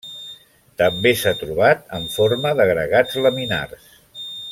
També s'ha trobat en forma d'agregats laminars.